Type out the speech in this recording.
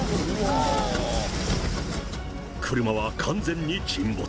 車は完全に沈没。